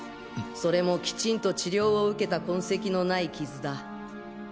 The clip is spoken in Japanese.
それもきちんと治療を受けた痕跡のない傷だ。